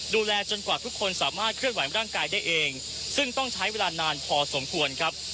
ดูแลจนกว่าทุกคนสามารถเคลื่อนไหวร่างกายได้เองซึ่งต้องใช้เวลานานพอสมควรครับ